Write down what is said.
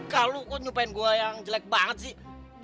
kaluh kok nyumpain gue yang jelek banget sih